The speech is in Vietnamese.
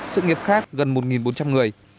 sự nghiệp khác gần một bốn trăm linh người